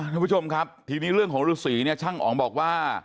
ท่านผู้ชมครับทีนี้เรื่องของฤษีเนี่ยช่างอ๋องบอกว่า